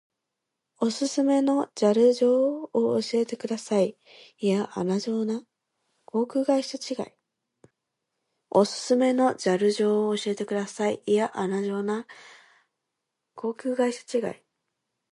おすすめのジャル場を教えてください。いやアナ場な。航空会社違い。